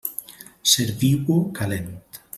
Serviu-ho calent.